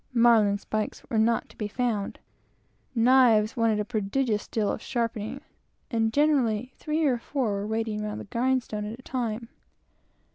Marline spikes were not to be found; knives wanted a prodigious deal of sharpening, and, generally, three or four were waiting round the grindstone at a time.